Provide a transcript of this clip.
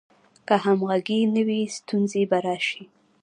که همغږي نه وي، ستونزې به راشي.